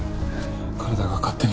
体が勝手に。